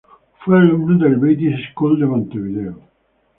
Fue alumno del British School de Montevideo.